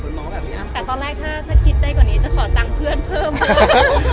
แต่ตอนนี้อาจจะคิดได้กว่านี้จะขอบบตั้งเพื่อนเพิ่ม